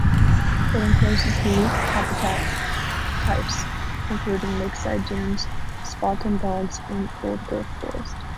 It encloses unique habitat types including lakeside dunes, sphagnum bogs, and old-growth forest.